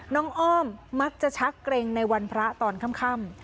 อ้อมมักจะชักเกร็งในวันพระตอนค่ำ